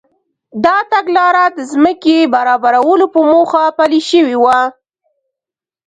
دا تګلاره د ځمکې برابرولو په موخه پلي شوې وه.